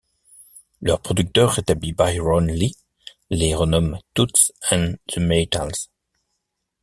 Leur producteur rétabli Byron Lee les renomme Toots & The Maytals.